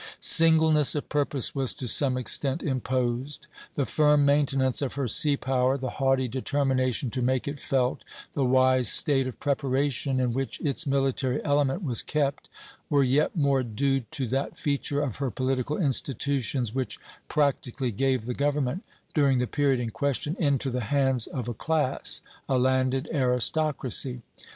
Singleness of purpose was to some extent imposed. The firm maintenance of her sea power, the haughty determination to make it felt, the wise state of preparation in which its military element was kept, were yet more due to that feature of her political institutions which practically gave the government, during the period in question, into the hands of a class, a landed aristocracy.